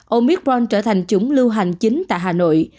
omithron trở thành chủng lưu hành chính tại hà nội